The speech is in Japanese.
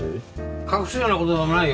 隠すような事でもないよ。